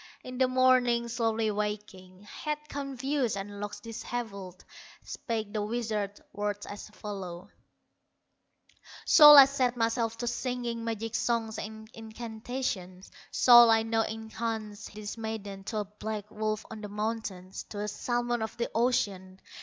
In the morning, slowly waking, Head confused, and locks dishevelled, Spake the wizard, words as follow: "Shall I set myself to singing Magic songs and incantations? Shall I now enchant this maiden To a black wolf on the mountains, To a salmon of the ocean?